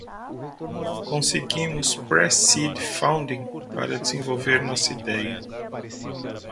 Conseguimos pre-seed funding para desenvolver nossa ideia.